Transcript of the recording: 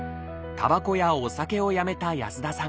たばこやお酒をやめた安田さん。